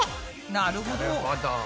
なるほど。